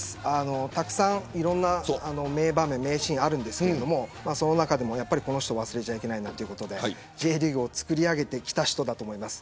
いろんな名場面あるんですけど、その中でもこの人を忘れちゃいけないということでＪリーグを作り上げてきた人だと思います。